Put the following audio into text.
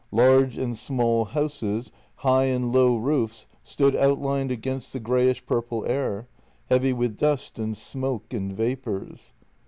Large and small houses, high and low roofs, stood outlined against the greyish purple air, heavy with dust and smoke and vapours.